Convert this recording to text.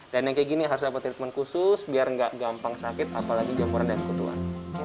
dan yang kayak gini harus dapet treatment khusus biar nggak gampang sakit apalagi jempolan dan kutuan